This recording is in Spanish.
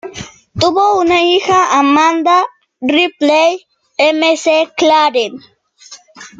Tuvo una hija, Amanda Ripley-McClaren.